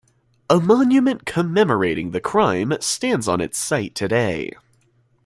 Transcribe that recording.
A monument commemorating the crime stands on its site today.